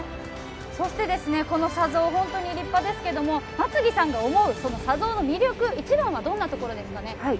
この砂像、本当に立派ですけれども松木さんが思う砂像の魅力一番はどんなところですかね。